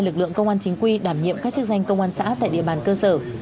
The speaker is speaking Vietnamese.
lực lượng công an chính quy đảm nhiệm các chức danh công an xã tại địa bàn cơ sở